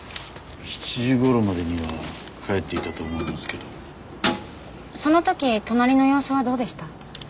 ７時頃までには帰っていたと思いますけどその時隣の様子はどうでした？